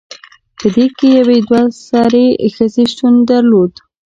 پدې کې یوې دوه سرې ښځې شتون درلود